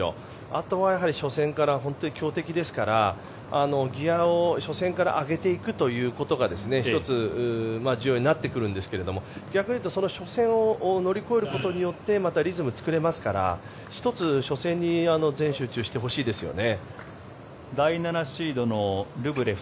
あとは初戦から本当に強敵ですからギアを初戦から上げていくということが１つ重要になってくるんですが逆に言うと初戦を乗り越えることによってリズムを作れますから１つ初戦に全集中してほしいですね。